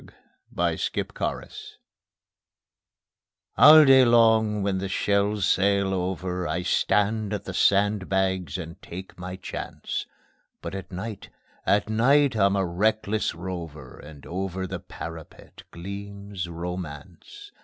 _ Over the Parapet All day long when the shells sail over I stand at the sandbags and take my chance; But at night, at night I'm a reckless rover, And over the parapet gleams Romance.